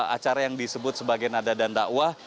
acara yang disebut sebagai nada dan dakwah